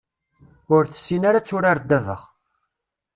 Ur tessin ara ad turar ddabex.